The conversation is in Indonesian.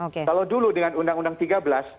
kalau dulu dengan undang undang tiga belas